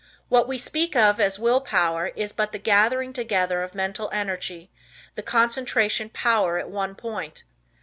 What we speak of as will power is but the gathering together of mental energy, the concentration power at one point.